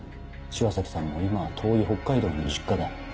千和崎さんも今は遠い北海道の実家だ。